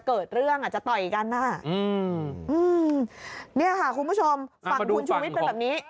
นี่ค่ะคุณผู้ชมฝั่งคุณชูวิชเป็นแบบนี้